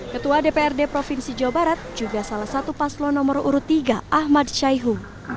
ketua dprd provinsi jawa barat juga salah satu paslon nomor urut tiga ahmad syaihu